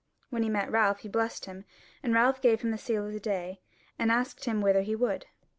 When he met Ralph he blessed him, and Ralph gave him the sele of the day, and asked him whither he would.